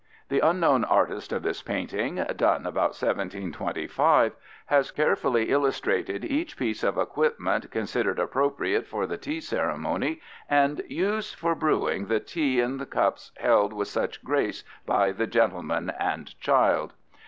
The unknown artist of this painting, done about 1725, has carefully illustrated each piece of equipment considered appropriate for the tea ceremony and used for brewing the tea in the cups held with such grace by the gentleman and child.